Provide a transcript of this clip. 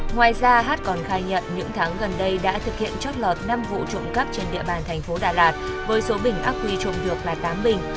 ngoài ra hát còn khai nhận những tháng gần đây đã thực hiện chót lọt năm vụ trộm cắp trên địa bàn thành phố đà lạt với số bình ác quy trộm được là tám bình